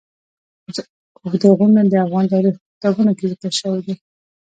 اوږده غرونه د افغان تاریخ په کتابونو کې ذکر شوی دي.